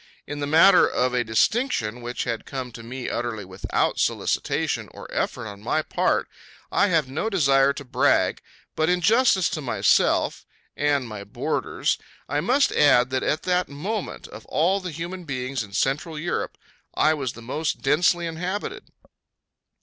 In the matter of a distinction which had come to me utterly without solicitation or effort on my part I have no desire to brag, but in justice to myself and my boarders I must add that at that moment, of all the human beings in Central Europe, I was the most densely inhabited.